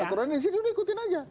aturan di sini udah ikutin aja